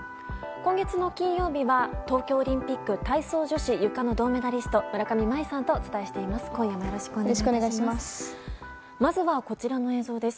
今月の金曜日は東京オリンピック体操女子ゆかの銅メダリスト村上茉愛さんとお伝えしています。